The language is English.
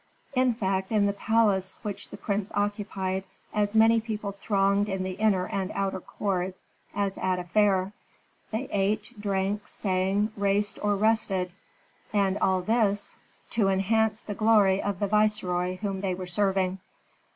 In fact, in the palace which the prince occupied as many people thronged in the inner and outer court as at a fair. They ate, drank, sang, raced or rested, and all this to enhance the glory of the viceroy whom they were serving.